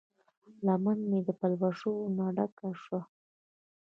لمن مې د پلوشو ډکه شوه